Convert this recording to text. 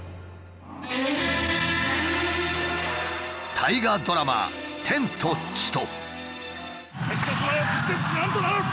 大河ドラマ「天と地と」。